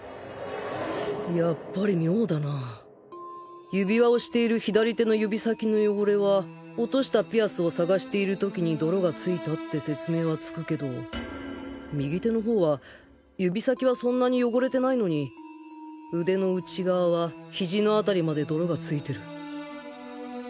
やっぱり妙だな指輪をしている左手の指先の汚れは落としたピアスを探している時に泥が付いたって説明はつくけど右手の方は指先はそんなに汚れてないのに腕の内側はヒジの辺りまで泥が付いてる